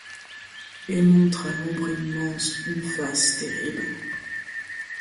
Et montre à l’ombre immense une face terrible